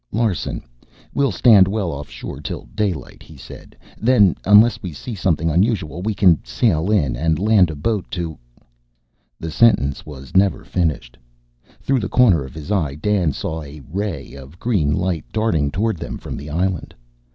"Larsen, we'll stand well offshore till daylight," he said. "Then, unless we see something unusual, we can sail in and land a boat to " The sentence was never finished. Through the corner of his eye, Dan saw a ray of green light darting toward them from the island.